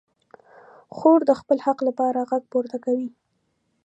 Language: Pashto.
خور د خپل حق لپاره غږ پورته کوي.